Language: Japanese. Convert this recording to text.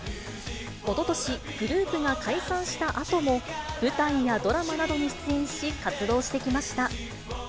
おととし、グループが解散したあとも、舞台やドラマなどに出演し活動してきました。